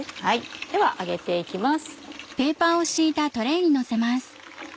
では上げて行きます。